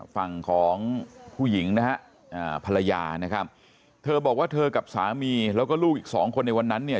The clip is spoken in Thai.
ฝั่งของผู้หญิงนะฮะภรรยานะครับเธอบอกว่าเธอกับสามีแล้วก็ลูกอีกสองคนในวันนั้นเนี่ย